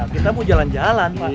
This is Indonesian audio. kita mau jalan jalan